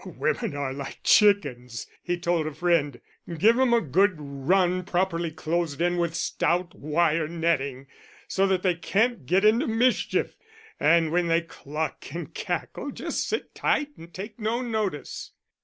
"Women are like chickens," he told a friend. "Give 'em a good run, properly closed in with stout wire netting, so that they can't get into mischief, and when they cluck and cackle just sit tight and take no notice."